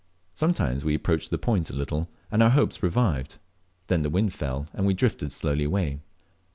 Sometimes we approached the point a little, and our hopes revived; then the wind fell, and we drifted slowly away.